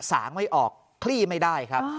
สางไม่ออกคลี่ไม่ได้ครับ